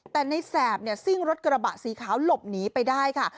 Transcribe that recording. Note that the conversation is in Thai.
แต่ในแสบเนี่ยซิ่งรถกระบะสีขาวหลบหนีไปได้ค่ะ